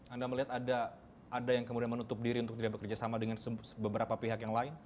anda melihat ada yang menutup diri untuk tidak bekerjasama dengan beberapa pihak yang lain